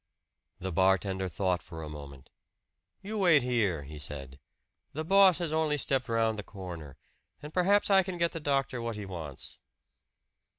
The bartender thought for a moment. "You wait here," he said. "The boss has only stepped round the corner; and perhaps I can get the doctor what he wants."